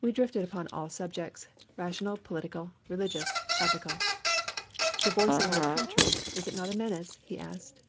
We drifted upon all subjects, rational, political, religious, ethical. "Divorce in your country, is it not a menace?" he asked.